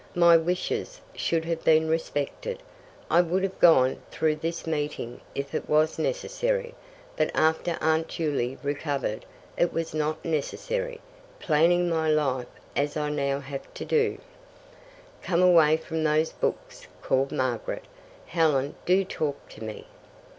"My wishes should have been respected. I would have gone through this meeting if it was necessary, but after Aunt Juley recovered, it was not necessary. Planning my life, as I now have to do " "Come away from those books," called Margaret. "Helen, do talk to me."